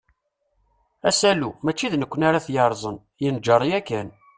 Asalu, mačči d nekni ara t-yerẓen, yenǧer yakan.